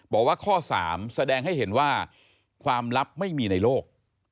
บอกว่าข้อ๓แสดงให้เห็นว่าความลับไม่มีในโลก